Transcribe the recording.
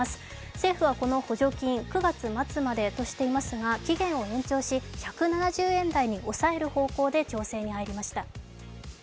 政府はこの補助金９月末までとしていますが期限を延長し、１７０円台に抑える方向で調整に入りました。